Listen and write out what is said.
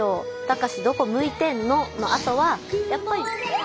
「タカシどこ向いてんの」のあとはやっぱり。